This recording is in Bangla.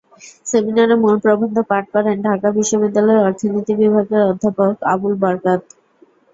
সেমিনারে মূল প্রবন্ধ পাঠ করেন ঢাকা বিশ্ববিদ্যালয়ের অর্থনীতি বিভাগের অধ্যাপক আবুল বারকাত।